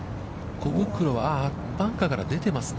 小袋は、バンカーから出てますね。